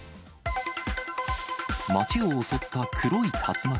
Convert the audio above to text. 街を襲った黒い竜巻。